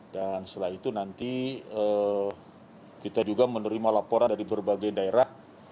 dan setelah itu nanti kita juga menerima laporan dari berbagai daerah